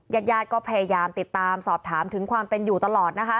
ยาดก็พยายามติดตามสอบถามถึงความเป็นอยู่ตลอด